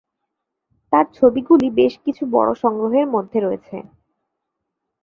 তার ছবিগুলি বেশ কিছু বড়ো সংগ্রহের মধ্যে রয়েছে।